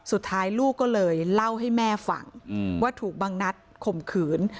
สุดท้ายลูกก็เลยเล่าให้แม่ฟังว่าถูกบางนัดข่มขืน